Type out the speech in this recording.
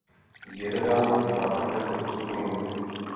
Jerevan má také status komunity.